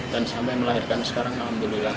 dan sampai melahirkan sekarang alhamdulillah